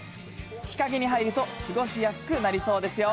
日陰に入ると過ごしやすくなりそうですよ。